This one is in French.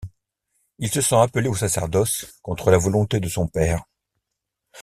Il se sent appelé au sacerdoce, contre la volonté de son père.